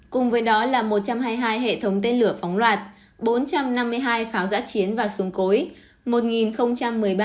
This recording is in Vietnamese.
cùng với đó là một trăm hai mươi hai hệ thống tên lửa phóng loạt bốn trăm năm mươi hai pháo giã chiến và xuồng cối